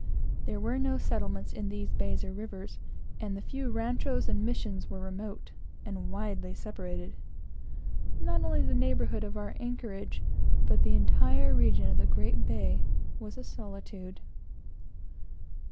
There were no settlements on these bays or rivers, and the few ranchos and Missions were remote and widely separated. Not only the neighborhood of our anchorage, but the entire region of the great bay, was a solitude.